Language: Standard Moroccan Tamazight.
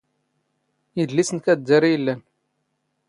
ⵉⴷⵍⵉⵙⵏ ⴽⴰ ⴷ ⴷⴰⵔⵉ ⵉⵍⵍⴰⵏ.